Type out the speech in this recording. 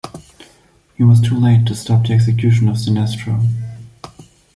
He was too late to stop the execution of Sinestro.